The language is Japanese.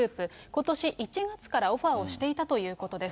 ことし１月からオファーをしていたということです。